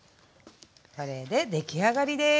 これで出来上がりです。